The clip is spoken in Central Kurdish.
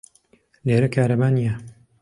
لێرە کارەبا نییە.